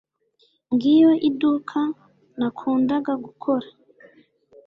Ngiyo iduka nakundaga gukora.